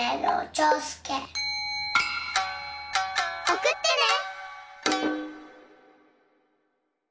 おくってね！